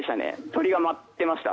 鳥が舞ってました。